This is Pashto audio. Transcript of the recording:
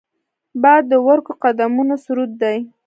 باد د ورکو قدمونو سرود دی